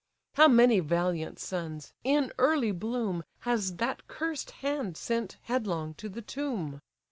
How many valiant sons, in early bloom, Has that cursed hand sent headlong to the tomb!